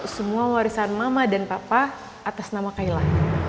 semua warisan mama dan papa atas nama kaila